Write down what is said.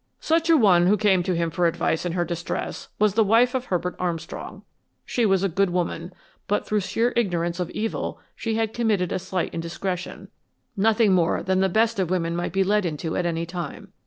"Such a one who came to him for advice in her distress was the wife of Herbert Armstrong. She was a good woman, but through sheer ignorance of evil she had committed a slight indiscretion, nothing more than the best of women might be led into at any time.